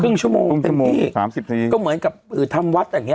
ครึ่งชั่วโมงครึ่งชั่วโมงสามสิบนี่ก็เหมือนกับอืมทำวัดอย่างเงี้ย